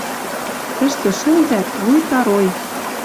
Тӹштӹ шӹнзӓт, вуйта рой.